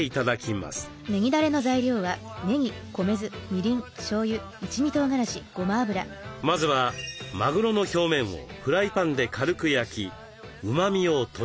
まずはまぐろの表面をフライパンで軽く焼きうまみを閉じ込めます。